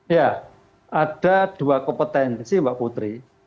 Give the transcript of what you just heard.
ya ada dua kompetensi mbak putri